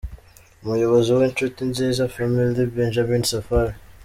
Umuyobozi wa Inshuti Nziza Family, Benjamin Safari.